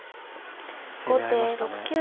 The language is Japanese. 攻め合いましたね。